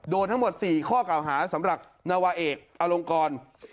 โดนทั้งหมด๔ข้อเก่าหาสำหรับนวาเอกอลงกร